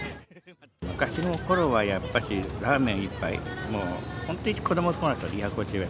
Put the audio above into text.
昔のころはやっぱし、ラーメン１杯、もう本当に子どものころだと２５０円。